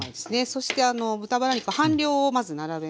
そして豚バラ肉半量をまず並べます。